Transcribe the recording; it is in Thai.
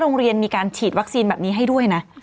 โรงเรียนมีการฉีดวัคซีนแบบนี้ให้ด้วยนะ